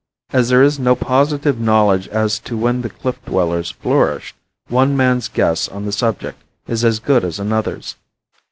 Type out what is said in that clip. As there is no positive knowledge as to when the cliff dwellers flourished, one man's guess on the subject is as good as another's.